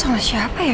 itu elsa sama siapa ya